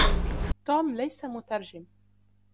توم ليس مترجم.